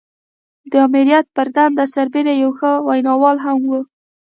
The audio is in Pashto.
د آمريت پر دنده سربېره يو ښه ويناوال هم و.